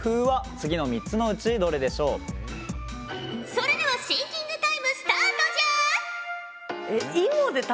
それではシンキングタイムスタートじゃ！